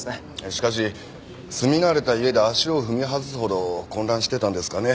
しかし住み慣れた家で足を踏み外すほど混乱してたんですかね。